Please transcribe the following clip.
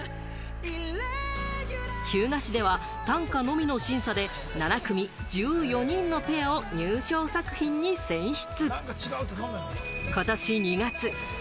日向市では短歌のみの審査で７組１４人のペアを入賞作品に選出。